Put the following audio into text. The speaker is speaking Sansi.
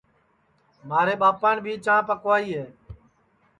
مھارے ٻاپان بھی چاں پکوائی ہے